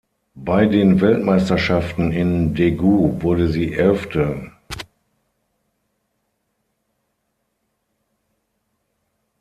Bei den Weltmeisterschaften in Daegu wurde sie Elfte.